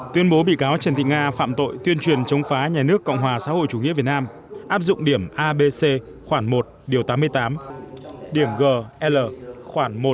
tuyên bố bị cáo trần thị nga phạm tội tuyên truyền chống phá nhà nước cộng hòa xã hội chủ nghĩa việt nam áp dụng điểm abc khoản một tám mươi tám điểm gl khoản một bốn mươi tám